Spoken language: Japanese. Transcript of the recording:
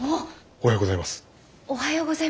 おはようございます。